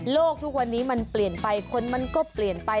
ทุกวันนี้มันเปลี่ยนไปคนมันก็เปลี่ยนไป